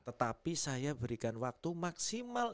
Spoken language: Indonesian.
tetapi saya berikan waktu maksimal